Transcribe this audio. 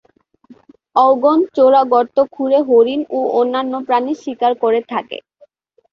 অওগণ চোরাগর্ত খুঁড়ে হরিণ ও অন্যান্য প্রাণী শিকার করে থাকে।